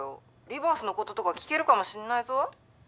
リバースのこととか聞けるかもしんないぞ。